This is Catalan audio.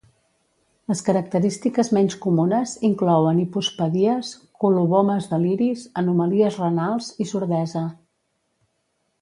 Les característiques menys comunes inclouen hipospadies, colobomes de l'iris, anomalies renals i sordesa.